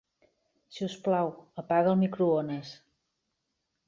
Si us plau, apaga el microones.